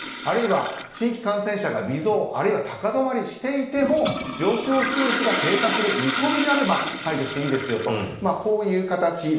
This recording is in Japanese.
あるいは新規感染者が微増あるいは高止まりしていても病床使用率が低下する見込みであれば解除していいですよとこういう形。